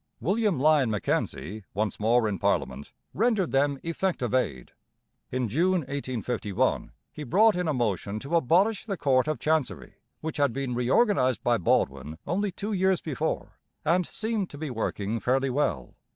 William Lyon Mackenzie, once more in parliament, rendered them effective aid. In June 1851 he brought in a motion to abolish the Court of Chancery, which had been reorganized by Baldwin only two years before and seemed to be working fairly well.